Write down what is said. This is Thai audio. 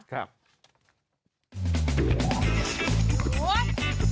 ครับ